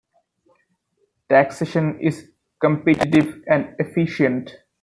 Taxation is competitive and efficient.